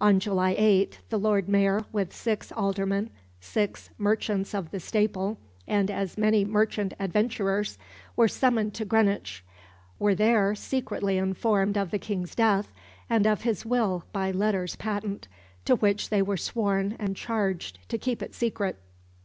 On July 8 the Lord Mayor, with six aldermen, six "merchants of the staple, and as many merchant adventurers," were summoned to Greenwich, were there secretly informed of the King's death, and of his will by letters patent, "to which they were sworn and charged to keep it secret."